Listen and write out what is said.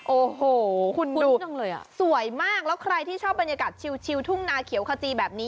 โอ้โหคุ้นจังเลยอ่ะสวยมากแล้วใครที่ชอบบรรยากาศชิวทุ่งนาเขียวขจีแบบนี้